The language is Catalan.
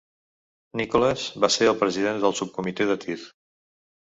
Nicholas va ser el president del Subcomitè de Tir.